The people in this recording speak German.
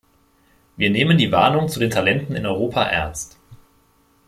Wir nehmen die Warnung zu den Talenten in Europa ernst.